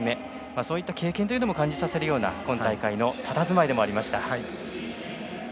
そういった経験というのも感じさせるような、今大会でのたたずまいでもありました。